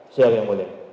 siap yang mulia